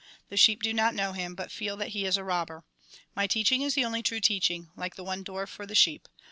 The sheep do not know him, but feel that he is a robber. My teaching is the only true teaching; like the one door for the sheep.